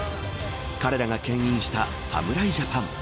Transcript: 彼らが、けん引した侍ジャパン。